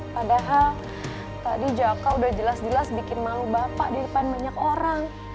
padahal tadi jaka udah jelas jelas bikin malu bapak di depan banyak orang